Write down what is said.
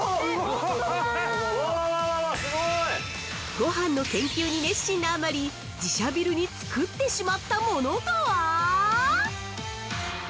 ごはんの研究に熱心なあまり自社ビルに作ってしまったものとは？